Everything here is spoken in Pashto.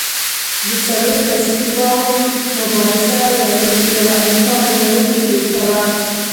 د څلور کسیز بانډ مبارزه یوه انکار نه منونکې پېښه وه.